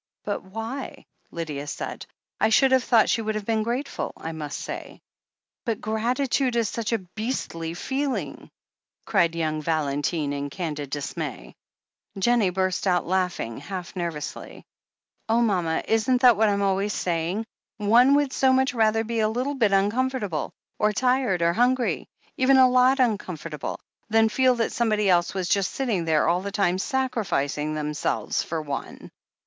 "But why?" Lydia said. "I should have thought she would have been grateful, I must say." *'But gratitude is such a beastly feeling T cried young Valentine in candid dismay. Jennie burst out laughing, half nervously. "Oh, mama, isn't that what I'm always saying? One would so much rather be a little bit uncomfortable, or tired, or hungry— even a lot uncomfortable — ^than feel that somebody else was just sitting there all the time, sacrificing themselves for one."